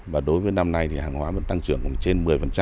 và đối với năm nay thì hàng hóa vẫn tăng trưởng trên một mươi